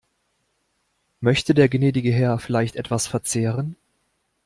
Möchte der gnädige Herr vielleicht etwas verzehren?